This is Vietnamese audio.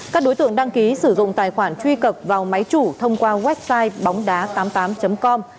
các đối tượng đăng ký sử dụng tài khoản truy cập vào máy chủ thông qua website bóng đá tám mươi tám com